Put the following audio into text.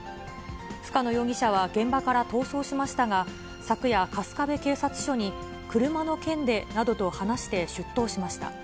深野容疑者は現場から逃走しましたが、昨夜、春日部警察署に車の件でなどと話して出頭しました。